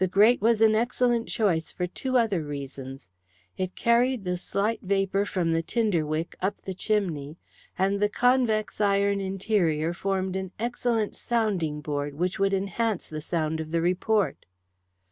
The grate was an excellent choice for two other reasons. It carried the slight vapour from the tinder wick up the chimney, and the convex iron interior formed an excellent sounding board which would enhance the sound of the report.